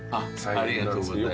ありがとうございます。